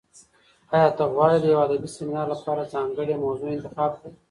ایا ته غواړې د یو ادبي سیمینار لپاره ځانګړې موضوع انتخاب کړې؟